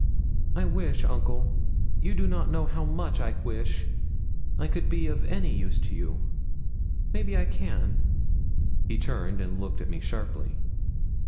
'I wish, uncle you do not know how much I wish I could be of any use to you. Maybe I can?' He turned, and looked at me sharply.